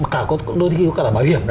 có nơi khi có cả bảo hiểm